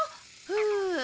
ふう。